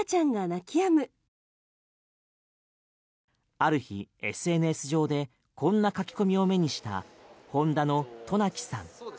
ある日ＳＮＳ上でこんな書き込みを目にした、ホンダの登那木さん。